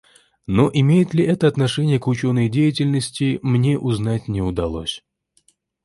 Но имеет ли это отношение к ученой деятельности, мне узнать не удалось.